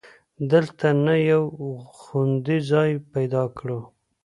دلته نه، یو خوندي ځای به پیدا کړو.